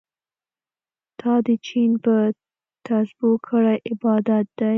تا د چين په تسبو کړی عبادت دی